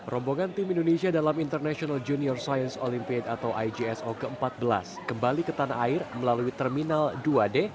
rombongan tim indonesia dalam international junior science olympiade atau ijso ke empat belas kembali ke tanah air melalui terminal dua d